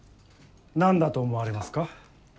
なんだと思われますか？